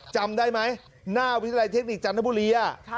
จำได้ไหมหน้าวิทยาลัยเทคนิคจันทบุรี